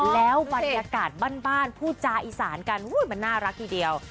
แล้วบรรยากาศบ้านพูดจาอีสานกันมันน่ารักทีเดียว